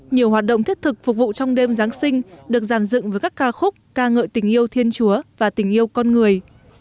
nhiều hoạt động thiết thực phục vụ trong đêm giáng sinh được giàn dựng với các ca khúc ca ngợi tình yêu thiên chúa và tình yêu con người